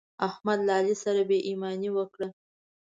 احمد له علي سره بې ايماني وکړه.